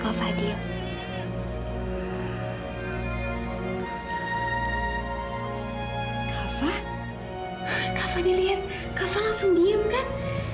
kava kava dilihat kava langsung diam kan